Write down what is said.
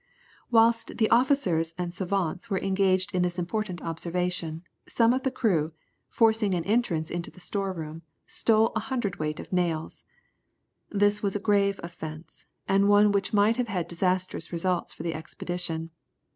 Whilst the officers and savants were engaged in this important observation, some of the crew, forcing an entrance into the storeroom, stole a hundredweight of nails. This was a grave offence, and one which might have had disastrous results for the expedition.